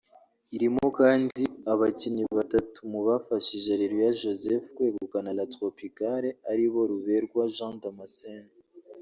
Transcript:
irimo kandi abakinnyi batatu mu bafashije Areruya Joseph kwegukana La Tropicale aribo Ruberwa Jean Damascene